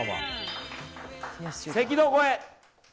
赤道越え！